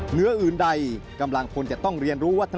เหนืออื่นใดกำลังควรจะต้องเรียนรู้วัฒน